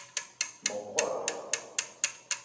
Meqqeṛ.